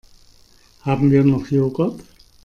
Haben wir noch Joghurt?